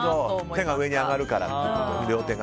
両手が上に上がるからという。